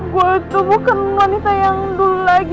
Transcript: gue itu bukan wanita yang dulu lagi